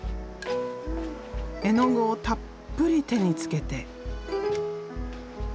絵の具をたっぷり手につけて。